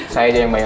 saya aja yang bayar